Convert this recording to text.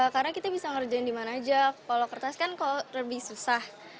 karena kita bisa ngerjain dimana aja kalau kertas kan kalau lebih susah